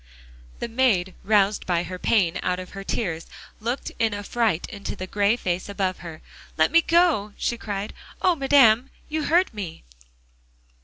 The maid roused by her pain out of her tears looked in affright into the gray face above her. "Let me go," she cried. "Oh! madame, you hurt me."